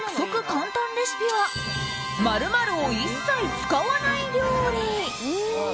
簡単レシピは○○を一切使わない料理。